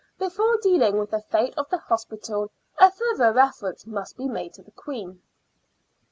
Before dealing with the fate of the Hospital a further reference must be made to the Queen.